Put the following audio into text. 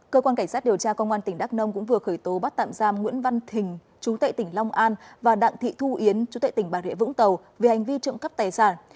cơ quan cảnh sát điều tra công an tỉnh đắk nông cũng vừa khởi tố bắt tạm giam nguyễn văn thình chú tệ tỉnh long an và đặng thị thu yến chú tệ tỉnh bà rịa vũng tàu về hành vi trộm cắp tài sản